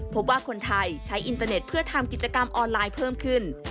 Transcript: พบว่าคนไทยใช้อินเตอร์เน็ตเพื่อทำกิจกรรมออนไลน์เพิ่มขึ้น